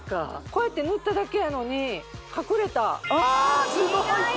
こうやって塗っただけやのに隠れたあっ！